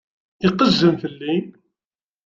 Iqejjem fell-i.